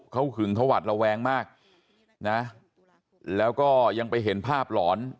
เขาหึงเขาหวัดระแวงมากนะแล้วก็ยังไปเห็นภาพหลอน